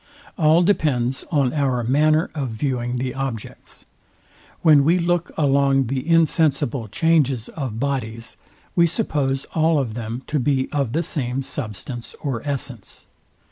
All depends on our manner of viewing the objects. When we look along the insensible changes of bodies, we suppose all of them to be of the same substance or essence.